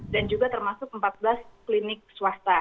dan juga termasuk empat belas klinik swasta